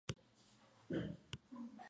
La sede del condado es Rockwell City.